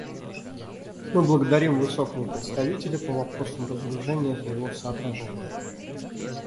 Мы благодарим Высокого представителя по вопросам разоружения за его соображения.